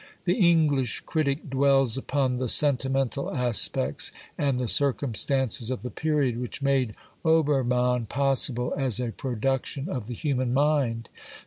The English critic dwells upon the sentimental aspects and the circumstances of the period which made Obermann CRITICAL INTRODUCTION xxi possible as a production of the human mind.